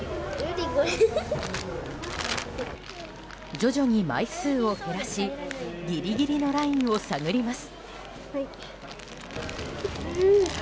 徐々に枚数を減らしギリギリのラインを探ります。